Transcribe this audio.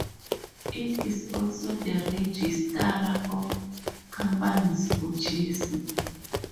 It is also the Registrar of Companies for Jersey.